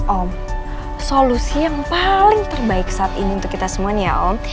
om solusi yang paling terbaik saat ini untuk kita semuanya om